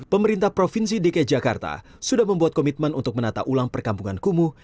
pemerintah provinsi dki jakarta sudah membuat komitmen untuk menata ulang perkampungan kumuh